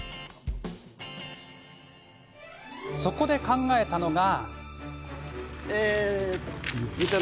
そこで考えたのが。